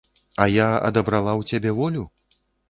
А я адабрала ў цябе волю?